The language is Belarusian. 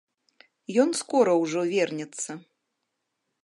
Ён скора ўжо вернецца.